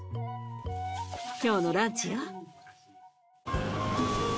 今日のランチよ。